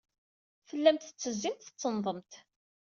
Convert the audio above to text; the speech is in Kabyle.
Tellamt tettezzimt, tettenḍemt.